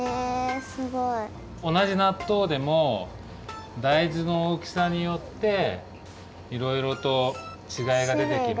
すごい。おなじなっとうでも大豆のおおきさによっていろいろとちがいがでてきます。